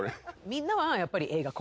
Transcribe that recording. みんなはやっぱり。